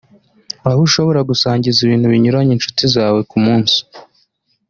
ahubwo ushobora gusangiza ibintu binyuranye inshuti zawe ku munsi